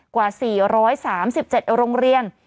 กว่า๔๓๗โรงเรียน